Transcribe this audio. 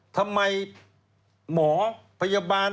ทำไมหมอพยาบาล